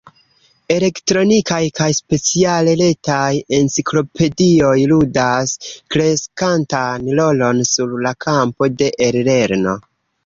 Elektronikaj kaj speciale retaj enciklopedioj ludas kreskantan rolon sur la kampo de e-lerno.